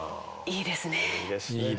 いいです。